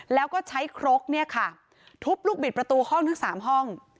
แล้วก็ใช้ครกเนี่ยค่ะทุบลูกบิดประตูห้องทั้ง๓ห้อง